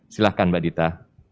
silahkan mbak dita